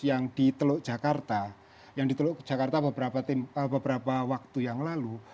yang di teluk jakarta beberapa waktu yang lalu